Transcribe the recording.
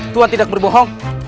tuhan tidak berbohong